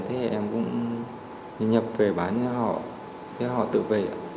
thế em cũng nhập về bán cho họ cho họ tự về